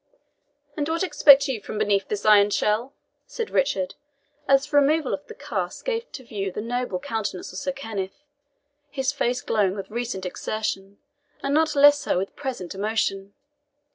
"And what expect you from beneath this iron shell?" said Richard, as the removal of the casque gave to view the noble countenance of Sir Kenneth, his face glowing with recent exertion, and not less so with present emotion.